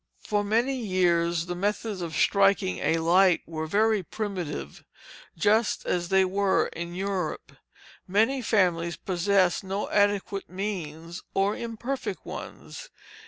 For many years the methods of striking a light were very primitive, just as they were in Europe; many families possessed no adequate means, or very imperfect ones.